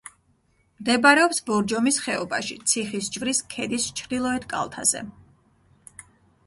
მდებარეობს ბორჯომის ხეობაში, ციხისჯვრის ქედის ჩრდილოეთ კალთაზე.